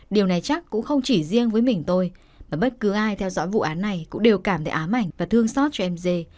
điều này chắc cũng không chỉ riêng với mình tôi mà bất cứ ai theo dõi vụ án này cũng đều cảm thấy ám ảnh và thương xót cho m dê